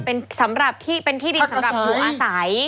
เป็นที่ดินสำหรับหูอาศัย